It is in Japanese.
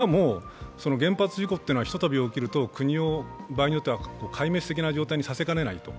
しかも原発事故というのはひとたび起きると場合によっては壊滅的な状態にさせかねないと。